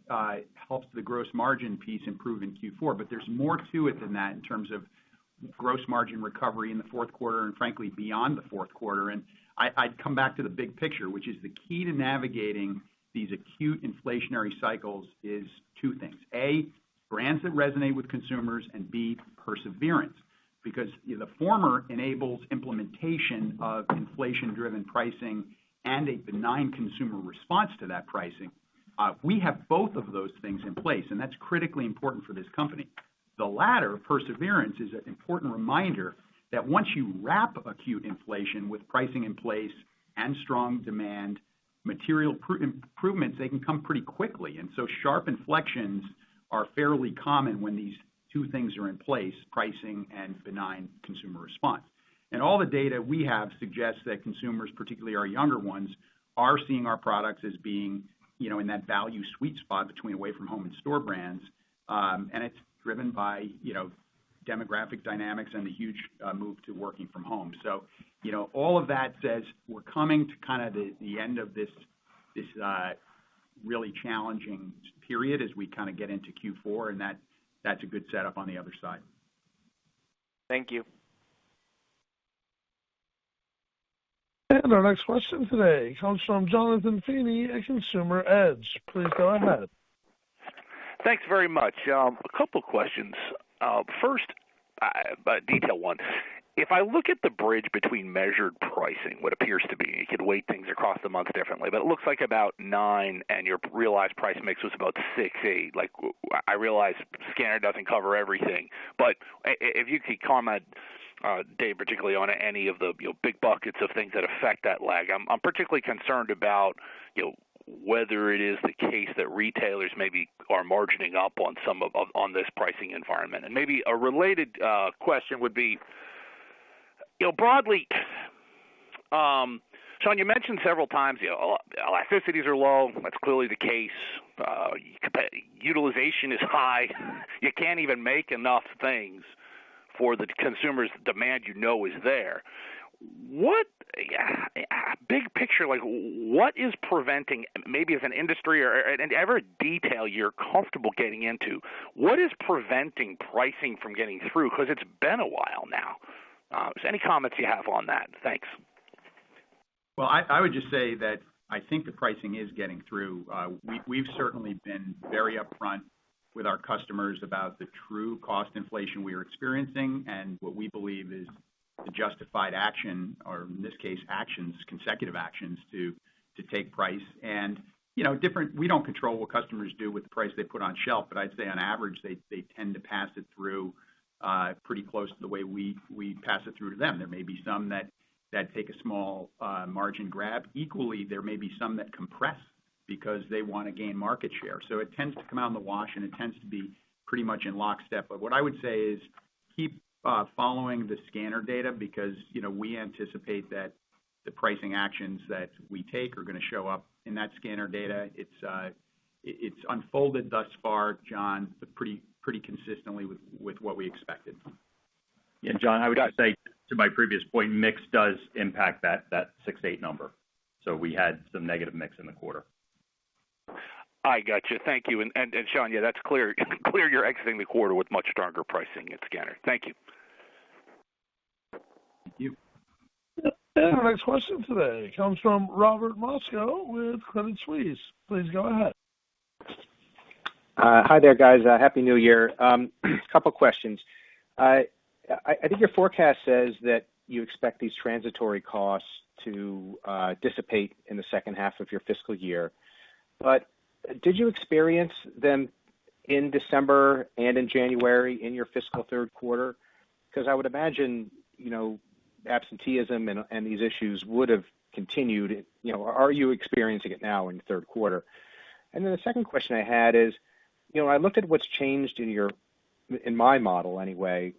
helps the gross margin piece improve in Q4. There's more to it than that in terms of gross margin recovery in the fourth quarter and frankly, beyond the fourth quarter. I'd come back to the big picture, which is the key to navigating these acute inflationary cycles is two things. A, brands that resonate with consumers, and B, perseverance. Because the former enables implementation of inflation-driven pricing and a benign consumer response to that pricing. We have both of those things in place, and that's critically important for this company. The latter, perseverance, is an important reminder that once you wrap acute inflation with pricing in place and strong demand, material improvements, they can come pretty quickly. Sharp inflections are fairly common when these two things are in place, pricing and benign consumer response. All the data we have suggests that consumers, particularly our younger ones, are seeing our products as being, you know, in that value sweet spot between away from home and store brands. It's driven by, you know, demographic dynamics and the huge move to working from home. You know, all of that says we're coming to kinda the end of this really challenging period as we kinda get into Q4, and that's a good setup on the other side. Thank you. Our next question today comes from Jonathan Feeney at Consumer Edge. Please go ahead. Thanks very much. A couple questions. First, by detail one, if I look at the bridge between measured pricing, what appears to be, you can weight things across the month differently, but it looks like about 9%, and your realized price mix was about 6-8%. Like, I realize scanner doesn't cover everything, but if you could comment, Dave, particularly on any of the, you know, big buckets of things that affect that lag. I'm particularly concerned about, you know, whether it is the case that retailers maybe are margining up on some of on this pricing environment. Maybe a related question would be, you know, broadly, Sean, you mentioned several times, you know, elasticities are low. That's clearly the case. Utilization is high. You can't even make enough things for the consumer demand you know is there. Big picture, like what is preventing, maybe as an industry or in every detail you're comfortable getting into, what is preventing pricing from getting through? Because it's been a while now. Any comments you have on that? Thanks. Well, I would just say that I think the pricing is getting through. We've certainly been very upfront with our customers about the true cost inflation we are experiencing and what we believe is the justified action, or in this case, actions, consecutive actions, to take price. We don't control what customers do with the price they put on shelf, but I'd say on average, they tend to pass it through pretty close to the way we pass it to them. There may be some that take a small margin grab. Equally, there may be some that compress because they wanna gain market share. It tends to come out in the wash, and it tends to be pretty much in lockstep. What I would say is keep following the scanner data because, you know, we anticipate that the pricing actions that we take are gonna show up in that scanner data. It's unfolded thus far, John, pretty consistently with what we expected. Yeah, John, I would just say to my previous point, mix does impact that 6-8 number. We had some negative mix in the quarter. I got you. Thank you. Sean, yeah, that's clear. It's clear you're exiting the quarter with much stronger pricing in scanner. Thank you. Thank you. Our next question today comes from Robert Moskow with Credit Suisse. Please go ahead. Hi there, guys. Happy New Year. Couple questions. I think your forecast says that you expect these transitory costs to dissipate in the second half of your fiscal year. Did you experience them in December and in January in your fiscal third quarter? Because I would imagine, you know, absenteeism and these issues would have continued. You know, are you experiencing it now in the third quarter? Then the second question I had is, you know, I looked at what's changed in your—in my model, anyway,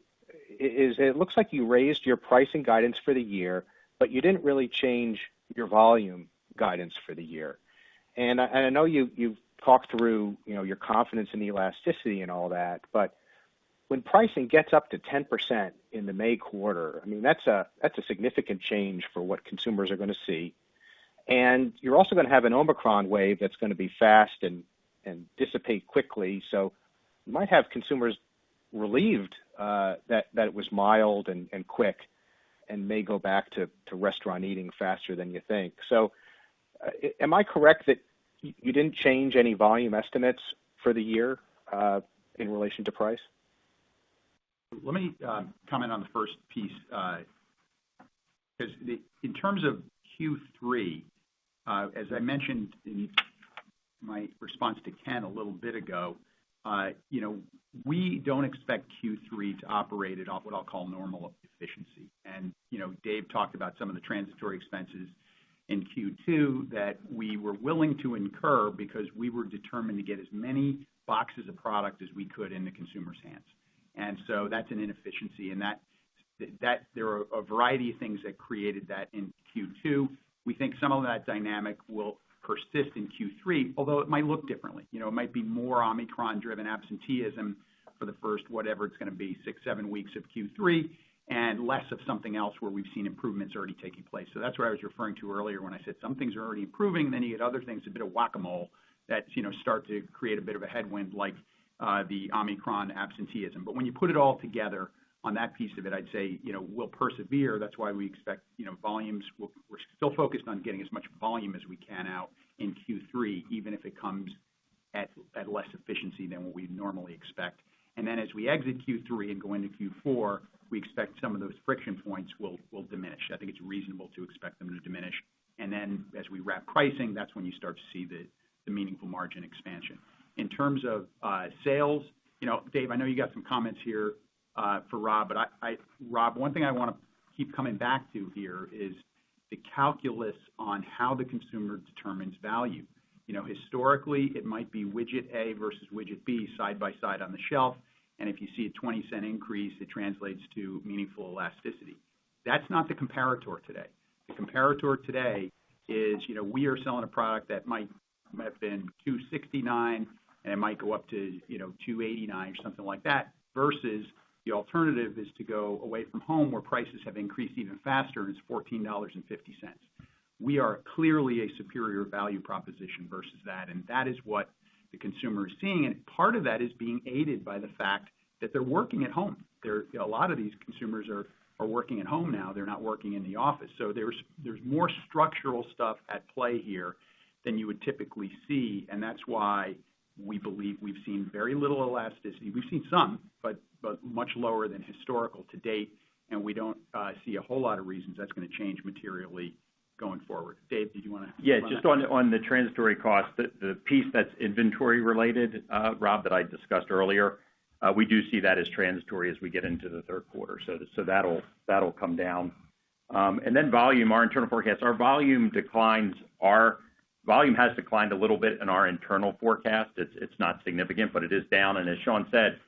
is it looks like you raised your pricing guidance for the year, but you didn't really change your volume guidance for the year. I know you've talked through, you know, your confidence in the elasticity and all that, but when pricing gets up to 10% in the May quarter, I mean, that's a significant change for what consumers are gonna see. You're also gonna have an Omicron wave that's gonna be fast and dissipate quickly. You might have consumers relieved that it was mild and quick and may go back to restaurant eating faster than you think. Am I correct that you didn't change any volume estimates for the year in relation to price? Let me comment on the first piece. In terms of Q3, as I mentioned in my response to Ken a little bit ago, you know, we don't expect Q3 to operate at off what I'll call normal efficiency. You know, Dave talked about some of the transitory expenses in Q2 that we were willing to incur because we were determined to get as many boxes of product as we could in the consumer's hands. That's an inefficiency. There are a variety of things that created that in Q2. We think some of that dynamic will persist in Q3, although it might look differently. You know, it might be more Omicron-driven absenteeism for the first, whatever it's gonna be, 6, 7 weeks of Q3, and less of something else where we've seen improvements already taking place. That's what I was referring to earlier when I said some things are already improving, many other things, a bit of whack-a-mole that, you know, start to create a bit of a headwind like, the Omicron absenteeism. But when you put it all together on that piece of it, I'd say, you know, we'll persevere. That's why we expect, you know, volumes. We're still focused on getting as much volume as we can out in Q3, even if it comes at less efficiency than what we'd normally expect. Then as we exit Q3 and go into Q4, we expect some of those friction points will diminish. I think it's reasonable to expect them to diminish. Then as we wrap pricing, that's when you start to see the meaningful margin expansion. In terms of sales, you know, Dave, I know you got some comments here for Rob, but Rob, one thing I wanna keep coming back to here is the calculus on how the consumer determines value. You know, historically, it might be widget A versus widget B side by side on the shelf, and if you see a 20-cent increase, it translates to meaningful elasticity. That's not the comparator today. The comparator today is, you know, we are selling a product that might have been $2.69, and it might go up to, you know, $2.89 or something like that, versus the alternative is to go away from home where prices have increased even faster, and it's $14.50. We are clearly a superior value proposition versus that, and that is what the consumer is seeing. Part of that is being aided by the fact that they're working at home. A lot of these consumers are working at home now. They're not working in the office. So there's more structural stuff at play here than you would typically see, and that's why we believe we've seen very little elasticity. We've seen some, but much lower than historical to date, and we don't see a whole lot of reasons that's gonna change materially going forward. Dave, did you wanna comment on that? Yeah. Just on the transitory cost, the piece that's inventory related, Rob, that I discussed earlier, we do see that as transitory as we get into the third quarter. That'll come down. In our internal forecast, volume has declined a little bit. It's not significant, but it is down. As Sean said,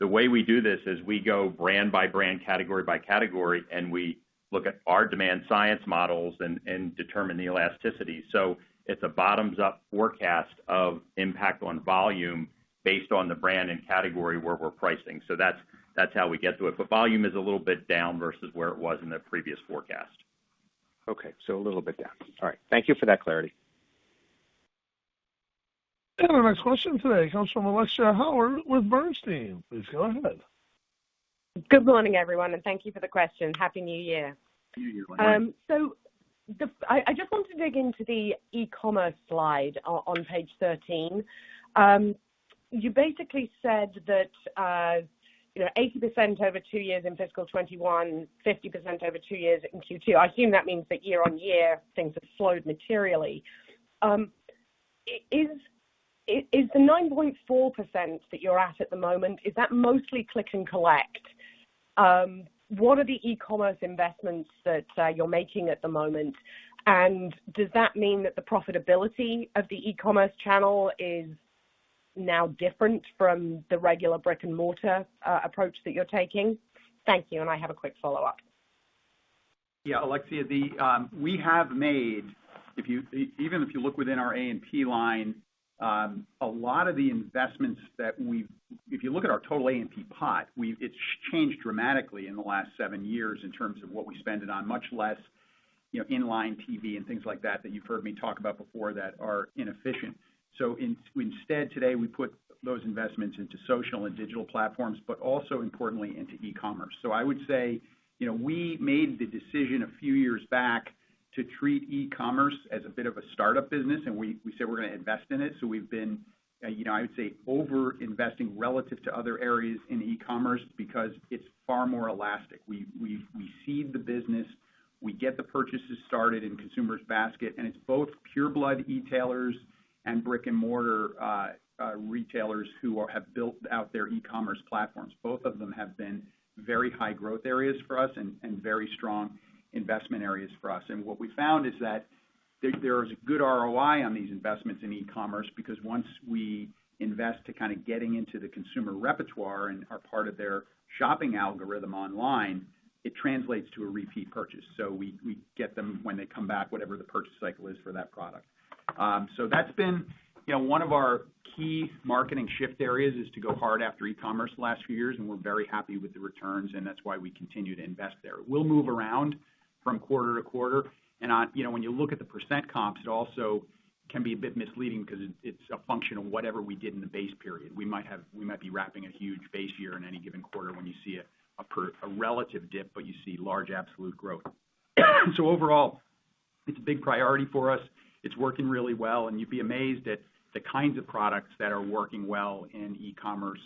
the way we do this is we go brand by brand, category by category, and we look at our demand science models and determine the elasticity. It's a bottom-up forecast of impact on volume based on the brand and category where we're pricing. That's how we get to it. Volume is a little bit down versus where it was in the previous forecast. Okay. A little bit down. All right. Thank you for that clarity. Our next question today comes from Alexia Howard with Bernstein. Please go ahead. Good morning, everyone, and thank you for the question. Happy New Year. I just want to dig into the e-commerce slide on page thirteen. You basically said that, you know, 80% over two years in fiscal 2021, 50% over two years in Q2. I assume that means that year-on-year things have slowed materially. Is the 9.4% that you're at at the moment mostly click and collect? What are the e-commerce investments that you're making at the moment, and does that mean that the profitability of the e-commerce channel is now different from the regular brick-and-mortar approach that you're taking? Thank you. I have a quick follow-up. Yeah. Alexia, we have made, even if you look within our A&P line, a lot of the investments that we've. If you look at our total A&P pot, it's changed dramatically in the last seven years in terms of what we spend it on, much less, you know, linear TV and things like that you've heard me talk about before that are inefficient. Instead today, we put those investments into social and digital platforms, but also importantly into e-commerce. I would say, you know, we made the decision a few years back to treat e-commerce as a bit of a startup business, and we said we're gonna invest in it. We've been, you know, I would say over-investing relative to other areas in e-commerce because it's far more elastic. We seed the business, we get the purchases started in consumer's basket, and it's both pure-play e-tailers and brick-and-mortar retailers who have built out their e-commerce platforms. Both of them have been very high growth areas for us and very strong investment areas for us. What we found is that there's good ROI on these investments in e-commerce because once we invest to kind of getting into the consumer repertoire and are part of their shopping algorithm online, it translates to a repeat purchase. We get them when they come back, whatever the purchase cycle is for that product. That's been, you know, one of our key marketing shift areas is to go hard after e-commerce the last few years, and we're very happy with the returns, and that's why we continue to invest there. We'll move around from quarter to quarter, and on, you know, when you look at the percent comps, it also can be a bit misleading because it's a function of whatever we did in the base period. We might be wrapping a huge base year in any given quarter when you see a relative dip, but you see large absolute growth. Overall, it's a big priority for us. It's working really well, and you'd be amazed at the kinds of products that are working well in e-commerce.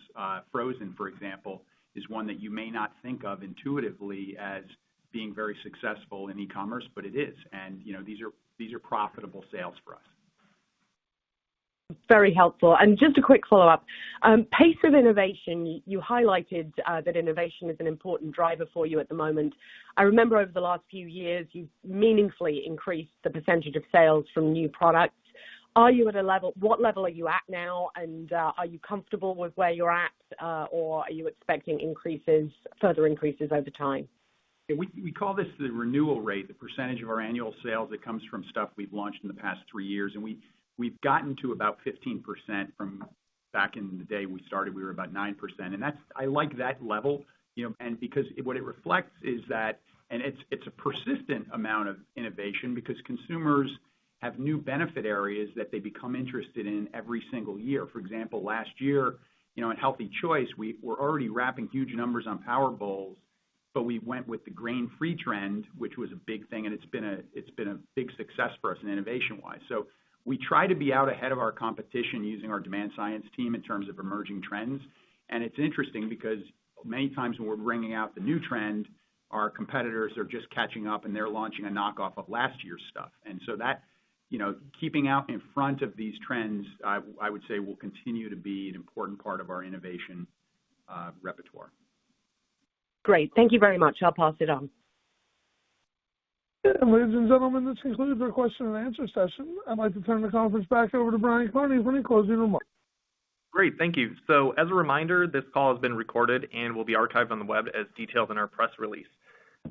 Frozen, for example, is one that you may not think of intuitively as being very successful in e-commerce, but it is. You know, these are profitable sales for us. Very helpful. Just a quick follow-up. Pace of innovation, you highlighted, that innovation is an important driver for you at the moment. I remember over the last few years, you've meaningfully increased the percentage of sales from new products. What level are you at now, and are you comfortable with where you're at, or are you expecting increases, further increases over time? Yeah. We call this the renewal rate, the percentage of our annual sales that comes from stuff we've launched in the past 3 years, and we've gotten to about 15% from back in the day we started, we were about 9%. That's. I like that level, you know, and because what it reflects is that. It's a persistent amount of innovation because consumers have new benefit areas that they become interested in every single year. For example, last year, you know, in Healthy Choice, we were already racking up huge numbers on Power Bowls, but we went with the grain-free trend, which was a big thing, and it's been a big success for us innovation-wise. We try to be out ahead of our competition using our demand science team in terms of emerging trends. It's interesting because many times when we're bringing out the new trend, our competitors are just catching up, and they're launching a knockoff of last year's stuff. You know, keeping out in front of these trends, I would say will continue to be an important part of our innovation repertoire. Great. Thank you very much. I'll pass it on. Ladies and gentlemen, this concludes our question and answer session. I'd like to turn the conference back over to Brian Kearney for any closing remarks. Great. Thank you. As a reminder, this call has been recorded and will be archived on the web as detailed in our press release.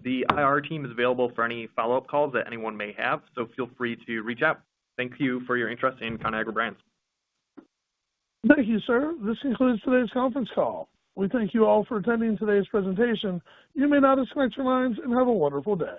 The IR team is available for any follow-up calls that anyone may have, so feel free to reach out. Thank you for your interest in Conagra Brands. Thank you, sir. This concludes today's conference call. We thank you all for attending today's presentation. You may now disconnect your lines and have a wonderful day.